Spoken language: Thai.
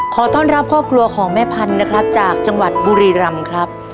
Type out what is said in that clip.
ขอต้อนรับครอบครัวของแม่พันธุ์นะครับจากจังหวัดบุรีรำครับ